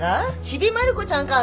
『ちびまる子ちゃん』か？